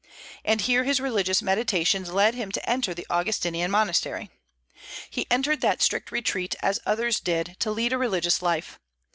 And here his religious meditations led him to enter the Augustinian monastery: he entered that strict retreat, as others did, to lead a religious life.